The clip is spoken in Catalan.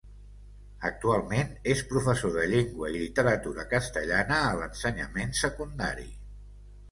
Actualment és professor de llengua i literatura castellana a l'ensenyament secundari.